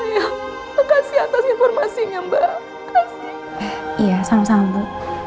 ya sama sama bu